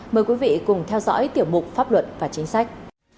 mời quý vị cùng theo dõi tiểu mục pháp luận và chính sách